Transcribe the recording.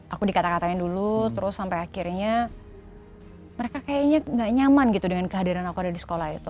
aku dikata katain dulu terus sampai akhirnya mereka kayaknya gak nyaman gitu dengan kehadiran aku ada di sekolah itu